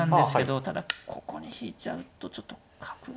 ただここに引いちゃうとちょっと角が。